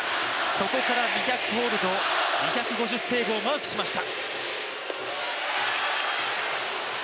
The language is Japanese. そこから２００ホールド２５０セーブをマークしました。